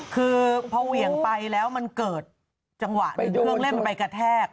คือพอเหวี่ยงไปแล้วมันเกิดจังหวะเครื่องเล่นมันไปกระแทก